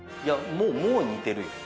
もうもう似てるよ